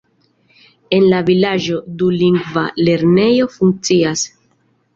En la vilaĝo dulingva lernejo funkcias.